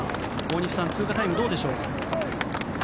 大西さん、通過タイムどうでしょうか。